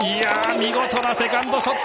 見事なセカンドショット。